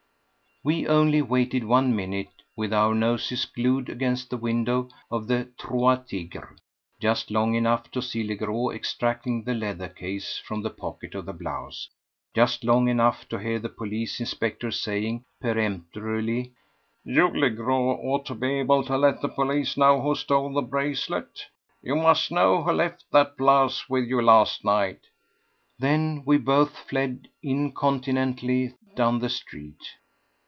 We only waited one minute with our noses glued against the windows of the Trois Tigres, just long enough to see Legros extracting the leather case from the pocket of the blouse, just long enough to hear the police inspector saying peremptorily: "You, Legros, ought to be able to let the police know who stole the bracelet. You must know who left that blouse with you last night." Then we both fled incontinently down the street.